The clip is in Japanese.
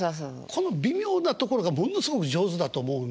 この微妙なところがものすごく上手だと思うんで。